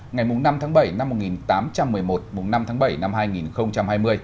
ngày năm tháng bảy năm một nghìn tám trăm một mươi một năm tháng bảy năm hai nghìn hai mươi